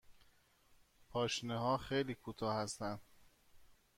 پاشنه ها خیلی کوتاه هستند.